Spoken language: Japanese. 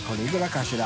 「かしら」